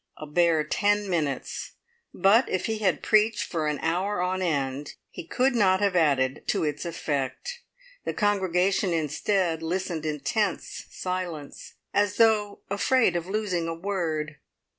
A bare ten minutes, but if he had preached for an hour on end he could not have added to its effect. The congregation listened in tense silence, as though afraid of losing a word.